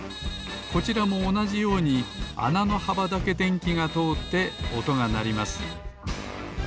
こちらもおなじようにあなのはばだけでんきがとおっておとがなります。